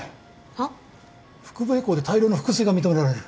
腹部エコーで大量の腹水が認められる。